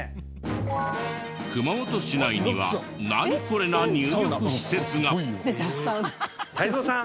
熊本市内には「ナニコレ？」な入浴施設が。